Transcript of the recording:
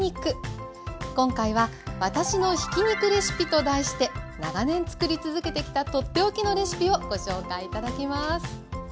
今回は「わたしのひき肉レシピ」と題して長年つくり続けてきた取って置きのレシピをご紹介頂きます。